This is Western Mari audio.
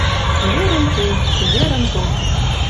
Цеверӹн ке, цеверӹн код